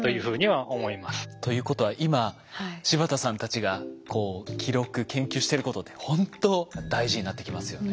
ということは今柴田さんたちが記録研究してることってほんと大事になってきますよね。